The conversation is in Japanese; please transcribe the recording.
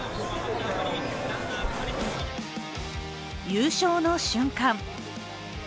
優勝の瞬間。